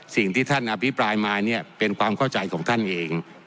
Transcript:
สิ่งที่ท่านอภิปรายมาเนี่ยเป็นความเข้าใจของท่านเอง